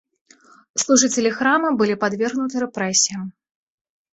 Служыцелі храма былі падвергнуты рэпрэсіям.